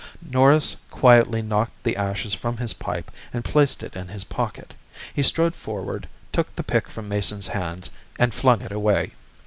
Norris quietly knocked the ashes from his pipe and placed it in his pocket. He strode forward, took the pick from Mason's hands and flung it away.